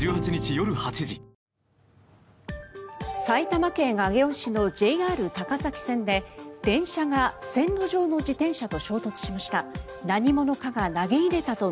埼玉県上尾市のＪＲ高崎線で電車が線路上の自転車と衝突しました。